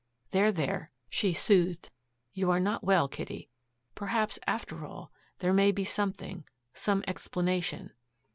"There, there," she soothed. "You are not well, Kitty. Perhaps, after all, there may be something some explanation."